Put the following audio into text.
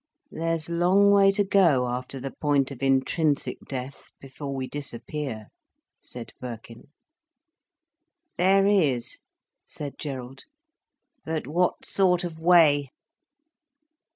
"There's long way to go, after the point of intrinsic death, before we disappear," said Birkin. "There is," said Gerald. "But what sort of way?"